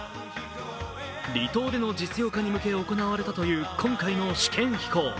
離島での実用化に向け行われたという今回の試験飛行。